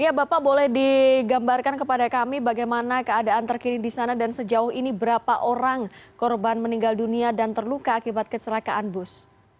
ya bapak boleh digambarkan kepada kami bagaimana keadaan terkini di sana dan sejauh ini berapa orang korban meninggal dunia dan terluka akibat kecelakaan bus